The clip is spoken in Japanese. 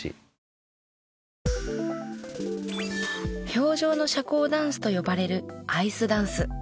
氷上の社交ダンスと呼ばれるアイスダンス。